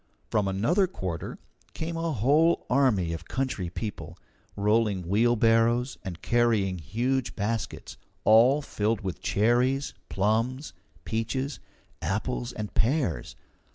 From another quarter came a whole army of country people, rolling wheelbarrows and carrying huge baskets, all filled with cherries, plums, peaches, apples, and pears.